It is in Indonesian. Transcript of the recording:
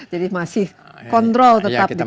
jadi masih kontrol tetap di tangan pak sam